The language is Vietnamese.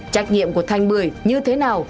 trách nhiệm của thành bưởi như thế nào